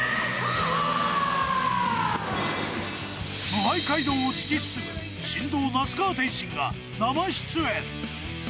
無敗街道を突き進む神童・那須川天心が生出演。